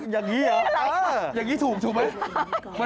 อย่างนี้เหรออย่างนี้ถูกถูกไหม